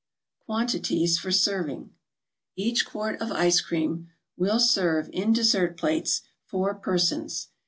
QUANTITIES FOR SERVING Each quart of ice cream will serve, in dessert plates, four persons.